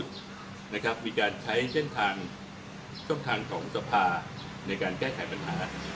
ที่สุดนะครับมีการใช้เจ้นทางความกลับมาสู่ภาพในการแก้ไขปัญหา